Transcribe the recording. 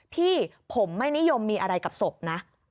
พี่ผมไม่นิยมมีอะไรกับศพนะ